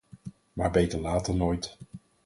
Maar beter laat dan nooit.